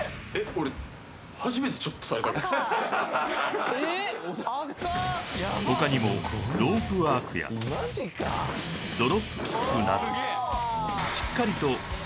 俺他にもロープワークやドロップキックなどしっかりと一方